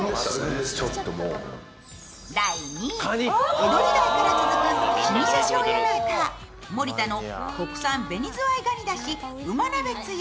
江戸時代から続く老舗しょうゆメーカー・盛田の国産紅ずわい蟹だしうま鍋つゆ。